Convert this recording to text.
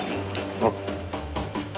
あっ！